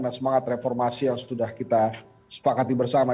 dan semangat reformasi yang sudah kita sepakat bersama